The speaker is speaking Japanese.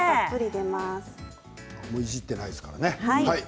何もいじってないですからね。